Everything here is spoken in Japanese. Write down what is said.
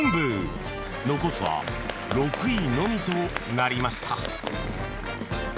［残すは６位のみとなりました］